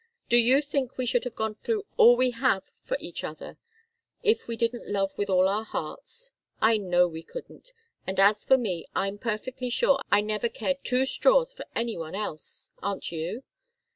Do you think we should have gone through all we have for each other if we didn't love with all our hearts? I know we couldn't. And as for me, I'm perfectly sure I never cared two straws for any one else. Aren't you?"